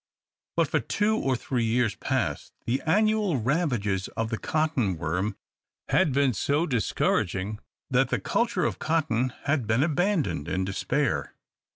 But for two or three years past the annual ravages of the cotton worm had been so discouraging, that the culture of cotton had been abandoned in despair.